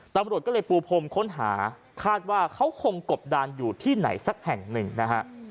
ตำรวจก็เลยปูพรมค้นหาคาดว่าเขาคงกบดานอยู่ที่ไหนสักแห่งหนึ่งนะฮะ